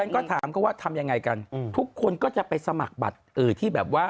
ก็ถามเขาว่าทำยังไงกันทุกคนก็จะไปสมัครบัตรที่แบบว่า